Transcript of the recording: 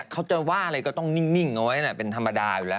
เขาจะว่าอะไรก็ต้องนิ่งเอาไว้เป็นธรรมดาอยู่แล้ว